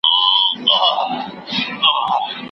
نګهبان مي د ناموس دی زما د خور پت په ساتلی.